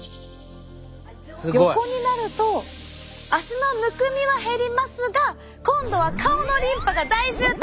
横になると足のむくみは減りますが今度は顔のリンパが大渋滞！